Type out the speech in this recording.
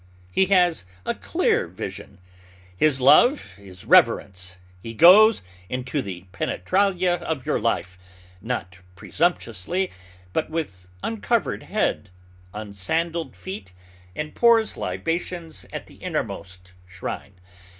He has a clear vision. His love is reverence. He goes into the penetralia of your life, not presumptuously, but with uncovered head, unsandaled feet, and pours libations at the innermost shrine.